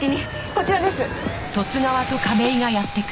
こちらです！